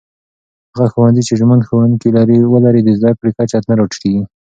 هغه ښوونځي چې ژمن ښوونکي ولري، د زده کړې کچه نه راټيټېږي.